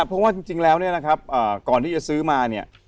เพราะว่าจริงแล้วเนี่ยนะครับก่อนที่จะซื้อมาเนี่ย